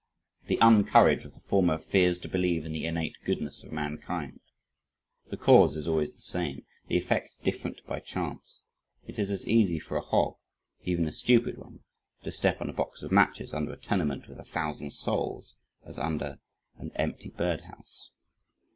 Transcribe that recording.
The un courage of the former fears to believe in the innate goodness of mankind. The cause is always the same, the effect different by chance; it is as easy for a hog, even a stupid one, to step on a box of matches under a tenement with a thousand souls, as under an empty bird house.